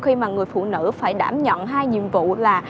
khi mà người phụ nữ phải đảm nhận hai nhiệm vụ là